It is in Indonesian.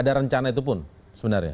ada rencana itu pun sebenarnya